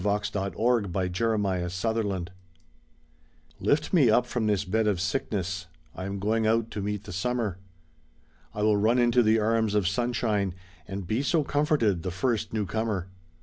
THE SAD YEARS THE BLACK HORSEMAN LIFT me up from this bed of sickness ; I am going out to meet the simmier. I will run into the arms of Sunshine And be so comforted, the first new comer.